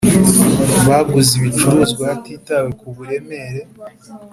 Baguze ibicuruzwa hatitawe ku buremere.